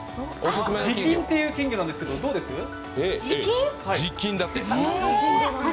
ジキンっていう金魚なんですけど、どうですか？